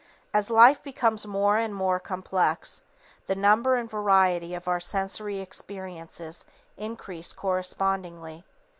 As life becomes more and more complex, the number and variety of our sensory experiences increase correspondingly.